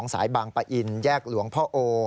สายบางปะอินแยกหลวงพ่อโอ